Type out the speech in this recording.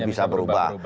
yang bisa berubah